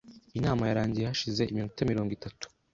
Inama yarangiye hashize iminota mirongo itatu .